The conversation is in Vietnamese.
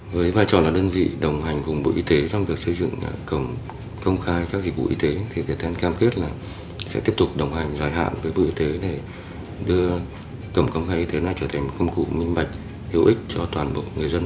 với vai trò là đơn vị đồng hành cùng bộ y tế trong việc xây dựng cổng công khai các dịch vụ y tế